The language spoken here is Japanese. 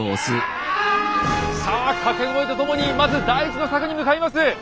さあ掛け声とともにまず第１の柵に向かいます。